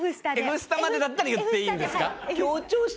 Ｆスタまでだったら言っていいんですか？